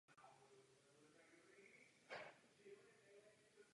Po zdařilé cestě přes Slovensko zažil svůj první pobyt v žaláři v Maďarsku.